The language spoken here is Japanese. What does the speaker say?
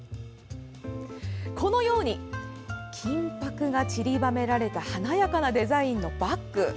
このように金ぱくがちりばめられた華やかなデザインのバッグ。